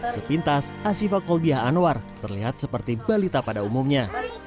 sepintas asifa kolbiah anwar terlihat seperti balita pada umumnya